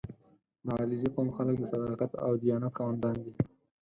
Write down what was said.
• د علیزي قوم خلک د صداقت او دیانت خاوندان دي.